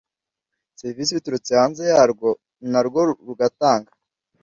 serivisi biturutse hanze yarwo na rwo rugatanga